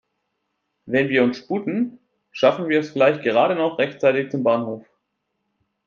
Wenn wir uns sputen, schaffen wir es vielleicht gerade noch rechtzeitig zum Bahnhof.